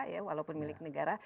ya walaupun milik negara